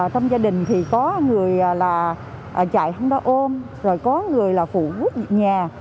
trong gia đình thì có người là chạy không đó ôm rồi có người là phụ quốc nhà